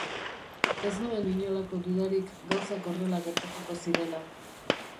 Ez nuen inolako dudarik gauzak horrela gertatuko zirela.